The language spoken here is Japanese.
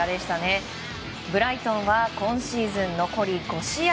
ブライトンは今シーズン残り５試合。